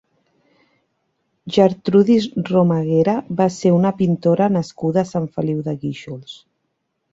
Gertrudis Romaguera va ser una pintora nascuda a Sant Feliu de Guíxols.